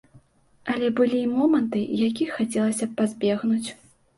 Але былі моманты, якіх хацелася б пазбегнуць.